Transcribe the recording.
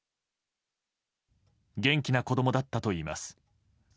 元気な子供だったといいます。